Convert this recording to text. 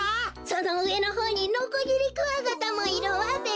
そのうえのほうにノコギリクワガタもいるわべ！